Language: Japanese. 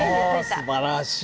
おすばらしい。